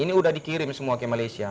ini sudah dikirim semua ke malaysia